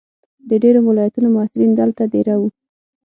د ډېرو ولایتونو محصلین دلته دېره وو.